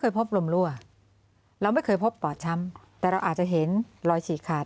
พบลมรั่วเราไม่เคยพบปอดช้ำแต่เราอาจจะเห็นรอยฉีกขาด